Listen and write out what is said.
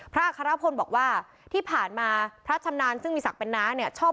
อัครพลบอกว่าที่ผ่านมาพระชำนาญซึ่งมีศักดิ์เป็นน้าเนี่ยชอบ